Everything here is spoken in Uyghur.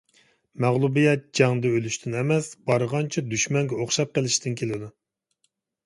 مەغلۇبىيەت جەڭدە ئۆلۈشتىن ئەمەس، بارغانچە دۈشمەنگە ئوخشاپ قېلىشتىن كېلىدۇ.